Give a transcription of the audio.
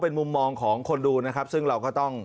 เป็นมุมมองของคนดูนะครับซึ่งเราก็ต้อง